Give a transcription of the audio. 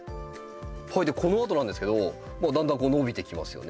このあとなんですけどだんだん伸びてきますよね。